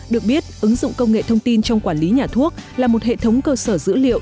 được biết ứng dụng công nghệ thông tin trong quản lý nhà thuốc là một hệ thống cơ sở dữ liệu